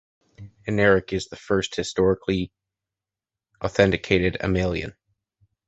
Ermanarich is also the first historically authenticated Amalian.